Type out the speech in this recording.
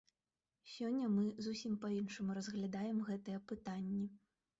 Сёння мы зусім па-іншаму разглядаем гэтыя пытанні.